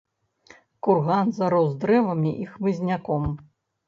Курган зарос дрэвамі і хмызняком.